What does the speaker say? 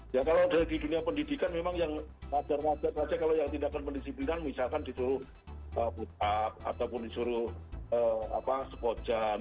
ya kalau dari dunia pendidikan memang yang nadar nadar saja kalau yang tindakan pendisiplinan misalkan disuruh butaq ataupun disuruh sepojam